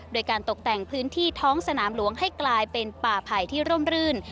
โดยการตกแต่งพื้นที่ท้องสนามหลวงให้กลายเป็นป่าไผ่ที่ร่มรื่น